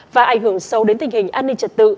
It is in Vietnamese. và ảnh hưởng sâu đến tình hình an ninh trật tự